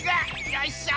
よいしょ！